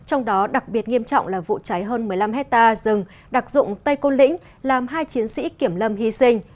trong đó đặc biệt nghiêm trọng là vụ cháy hơn một mươi năm hectare rừng đặc dụng tây côn lĩnh làm hai chiến sĩ kiểm lâm hy sinh